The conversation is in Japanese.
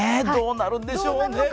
どうなるんでしょうね。